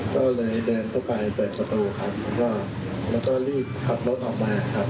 ก็เลยเดินเข้าไปเปิดประตูครับแล้วก็รีบขับรถออกมาครับ